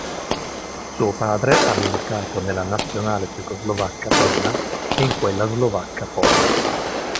Suo padre ha militato nella nazionale cecoslovacca prima e in quella slovacca poi.